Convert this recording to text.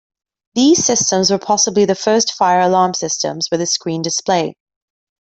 These systems were possibly the first fire alarm systems with a screen display.